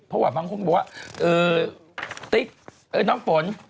เพราะว่าบางคนบอกว่าเออติ๊กเออน้ำฝน